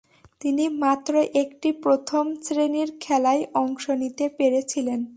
তিনি মাত্র একটি প্রথম-শ্রেণীর খেলায় অংশ নিতে পেরেছিলেন।